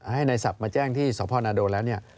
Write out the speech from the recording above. ให้ในศัพท์มาแจ้งที่สพนาโดนแล้วเนี่ย